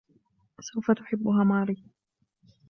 سوف تحبّها ماري.